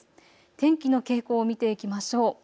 天気の傾向を見ていきましょう。